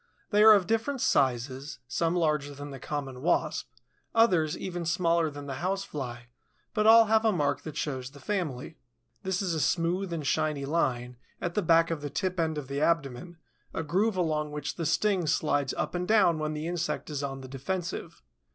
They are of different sizes, some larger than the Common Wasp, others even smaller than the House fly, but all have a mark that shows the family. This is a smooth and shiny line, at the back of the tip end of the abdomen, a groove along which the sting slides up and down when the insect is on the defensive.